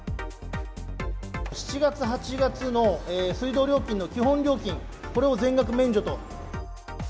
７月、８月の水道料金の基本料金、これを全額免除と。